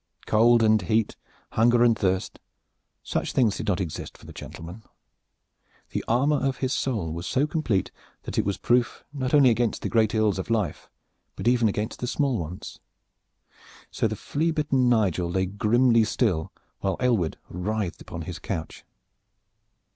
Cold and heat, hunger and thirst, such things did not exist for the gentleman. The armor of his soul was so complete that it was proof not only against the great ills of life but even against the small ones; so the flea bitten Nigel lay grimly still while Aylward writhed upon his couch.